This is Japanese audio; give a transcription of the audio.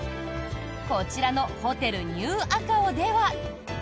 こちらのホテルニューアカオでは。